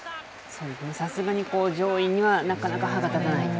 さすがに上位にはなかなか歯が立たない。